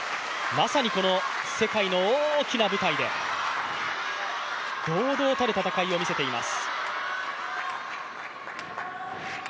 まさにこの世界の大きな舞台で、堂々たる戦いを見せています。